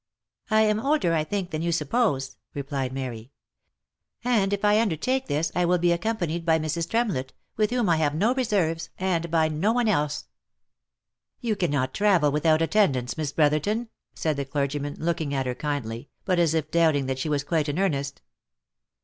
" I am older, 1 think, than you suppose," replied Mary ;" and if I undertake this, I will be accompanied by Mrs. Tremlett, with whom I have no reserves, and by no one else." " You cannot travel without attendants, Miss Brotherton ?" said, the clergyman, looking at her kindly, but as if doubting that she was quite in earnest.